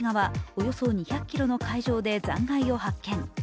およそ２００ｋｍの海上で残骸を発見。